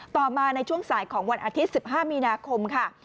ต่อมาในช่วงสายของวันอาทิตย์๑๕มีนาคมค่ะ